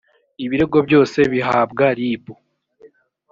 ibirego byose bihabwa ribu.